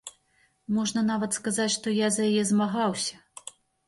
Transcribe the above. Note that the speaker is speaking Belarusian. Можна нават сказаць, што я за яе змагаўся.